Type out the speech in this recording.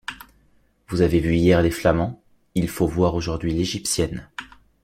Vous avez vu hier les flamands ; il faut voir aujourd’hui l’égyptienne.